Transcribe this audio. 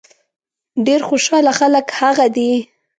ډېر خوشاله خلک هغه دي.